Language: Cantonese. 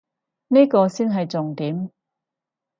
呢個先係重點